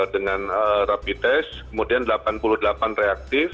dengan rapi tes kemudian delapan puluh delapan reaktif